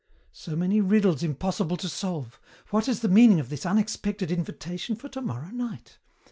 "So many riddles impossible to solve. What is the meaning of this unexpected invitation for tomorrow night?